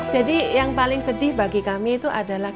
jadi yang paling sedih bagi kami itu adalah